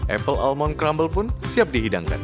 apple almond crumble pun siap dihidangkan